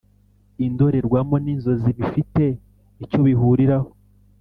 Indorerwamo n’inzozi bifite icyo bihuriraho: